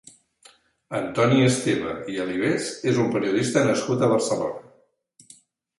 Antoni Esteve i Avilés és un periodista nascut a Barcelona.